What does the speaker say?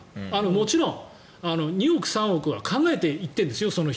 もちろん２億、３億は考えていってるんですよ